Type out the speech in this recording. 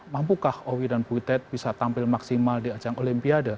mampukah owi dan butet bisa tampil maksimal di ajang olimpiade